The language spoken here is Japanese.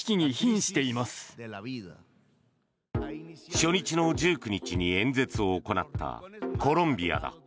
初日の１９日に演説を行ったコロンビアだ。